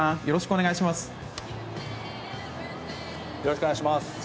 よろしくお願いします。